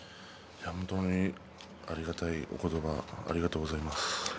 本当にありがたいお言葉ありがとうございます。